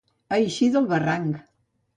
Eixir del barranc.